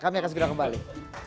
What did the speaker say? kami akan segera kembali